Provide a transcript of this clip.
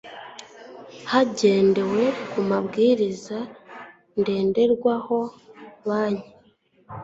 hagendewe ku mabwiriza ndenderwaho banki